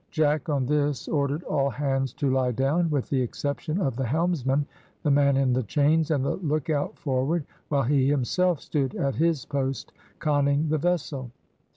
Jack on this ordered all hands to lie down, with the exception of the helmsman, the man in the chains, and the lookout forward, while he himself stood at his post, conning the vessel.